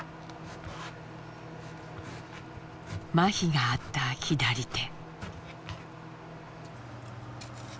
まひがあった左手。